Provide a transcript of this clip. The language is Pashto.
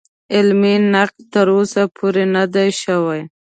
علمي نقد تر اوسه پورې نه دی شوی.